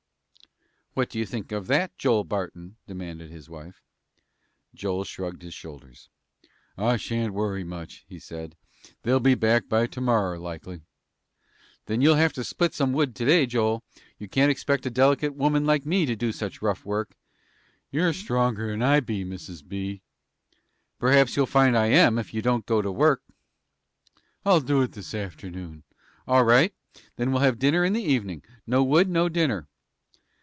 "What do you think of that, Joel Barton?" demanded his wife. Joel shrugged his shoulders. "I shan't worry much," he said. "They'll be back by to morrer, likely." "Then you'll have to split some wood to day, Joel. You can't expect a delicate woman like me to do such rough work." "You're stronger'n I be, Mrs. B." "Perhaps you'll find I am if you don't go to work." "I'll do it this afternoon." "All right. Then we'll have dinner in the even in'. No wood, no dinner."